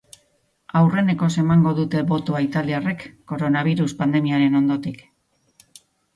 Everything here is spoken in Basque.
Aurrenekoz emango dute botoa italiarrek koronabirus pandemiaren ondotik.